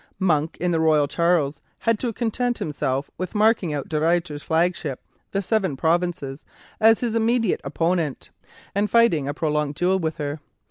Monk, in the "Royal Charles," had to content himself with marking out De Ruyter's flagship, the "Seven Provinces," as his immediate opponent, and fighting a prolonged duel with her.